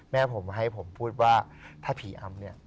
แม่ผมให้ผมพูดว่าถ้าผีอำเนี่ย